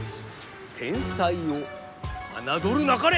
天才をあなどるなかれ！